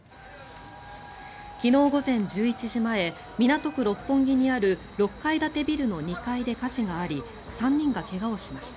昨日午前１１時前港区六本木にある６階建てビルの２階で火事があり３人が怪我をしました。